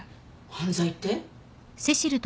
犯罪って？